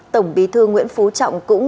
tổng bí thư nguyễn phú trọng cũng